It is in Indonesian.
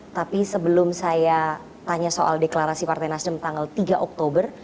tapi sebelum saya tanya soal deklarasi partai nasdem tanggal tiga oktober